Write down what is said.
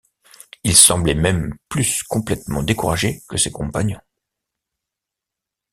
Il semblait même plus complètement découragé que ses compagnons.